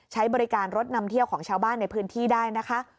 ใช้บริการรถนำเที่ยวของชาวบ้านในพื้นที่ได้นะคะ